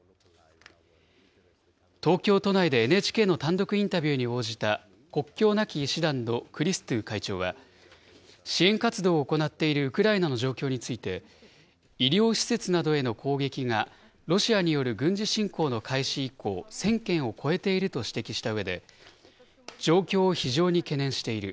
東京都内でＮＨＫの単独インタビューに応じた、国境なき医師団のクリストゥ会長は、支援活動を行っているウクライナの状況について、医療施設などへの攻撃がロシアによる軍事侵攻の開始以降、１０００件を超えていると指摘したうえで、状況を非常に懸念している。